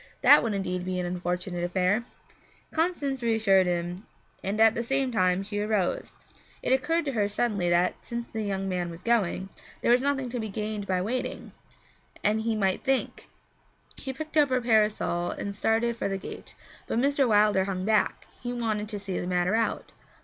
That would indeed be an unfortunate affair! Constance reassured him, and at the same time she arose. It occurred to her suddenly that, since the young man was going, there was nothing to be gained by waiting, and he might think She picked up her parasol and started for the gate, but Mr. Wilder hung back; he wanted to see the matter out.